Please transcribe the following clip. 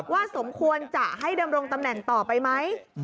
สมควรจะให้ดำรงตำแหน่งต่อไปไหม